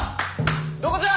どこじゃ！